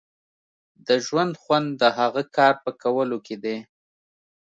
د ژوند خوند د هغه کار په کولو کې دی.